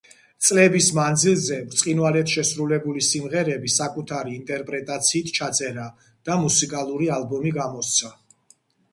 წლების მანძილზე ბრწყინვალედ შესრულებული სიმღერები საკუთარი ინტერპრეტაციით ჩაწერა და მუსიკალური ალბომი გამოსცა.